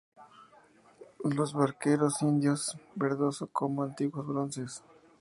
los barqueros indios, verdosos como antiguos bronces